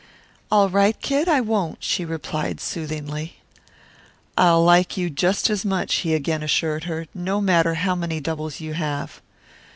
"All right, Kid. I won't," she replied soothingly. "I'll like you just as much," he again assured her, "no matter how many doubles you have."